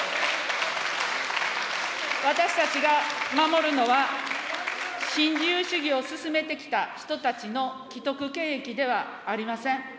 私たちが守るのは、新自由主義を進めてきた人たちの既得権益ではありません。